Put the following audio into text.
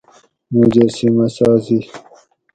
مجسمہ سازی